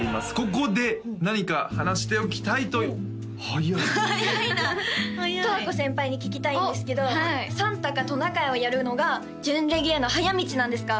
ここで何か話しておきたいとはやいはやいな十和子先輩に聞きたいんですけどサンタかトナカイをやるのが準レギュへの早道なんですか？